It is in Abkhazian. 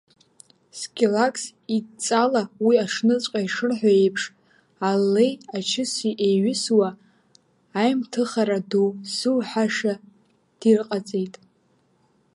Скилакс идҵала уи аҽныҵәҟьа ишырҳәо еиԥш, аллеи ачыси еҩысуа аимҭыхара ду ззуҳәаша дирҟаҵеит.